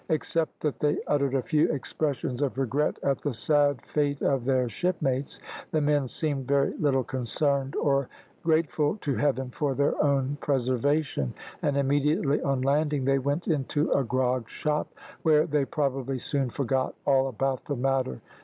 Except that they uttered a few expressions of regret at the sad fate of their shipmates, the men seemed very little concerned, or grateful to Heaven for their own preservation; and immediately on landing they went into a grog shop, where they probably soon forgot all about the matter.